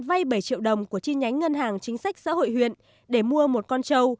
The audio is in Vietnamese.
vay bảy triệu đồng của chi nhánh ngân hàng chính sách xã hội huyện để mua một con trâu